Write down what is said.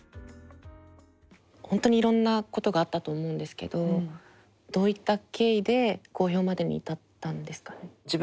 本当にいろんなことがあったと思うんですけどどういった経緯で公表までに至ったんですかね。